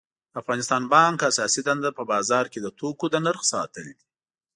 د افغانستان بانک اساسی دنده په بازار کی د توکو د نرخ ساتل دي